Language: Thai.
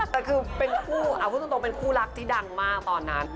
แต่คือเป็นคู่เอาพูดตรงเป็นคู่รักที่ดังมากตอนนั้น